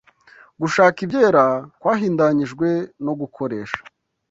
Gushaka ibyera kwahindanyijwe no gukoresha